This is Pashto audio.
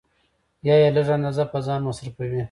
یا یې لږ اندازه په ځان مصرفوي